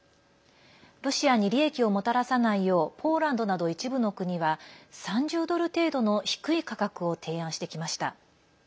ロシアに利益をもたらさないようポーランドなど一部の国は３０ドル程度の低い価格を提案してきました。